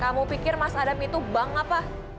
kamu pikir mas adam itu bank apa